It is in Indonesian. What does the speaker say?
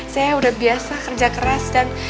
saya udah biasa kerja keras dan